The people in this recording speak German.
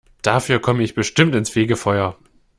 Dafür komme ich bestimmt ins Fegefeuer.